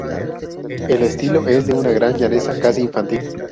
El estilo es de una gran llaneza, casi infantil.